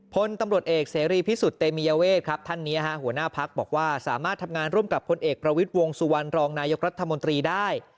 พลตำรวจเอกเสรีพิสุทธิ์เตมียเวทครับท่านนี้หัวหน้าพักบอกว่าสามารถทำงานร่วมกับพลเอกประวิทย์วงสุวรรณรองนายกรัฐมนตรีได้